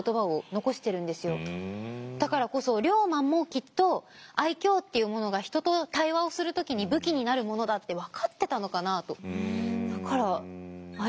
だからこそ龍馬もきっと愛嬌っていうものが人と対話をする時に武器になるものだって分かってたのかなと。